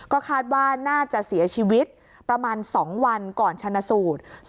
ก็คาดว่าน่าจะเสียชีวิตประมาณ๒วันก่อนชนะสูตร